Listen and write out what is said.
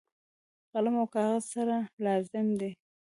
قلم او کاغذ سره لازم دي.